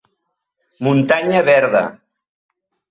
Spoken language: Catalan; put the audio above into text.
Muntanya verda